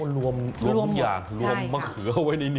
รวมทุกอย่างรวมมะเขือเอาไว้ในนี้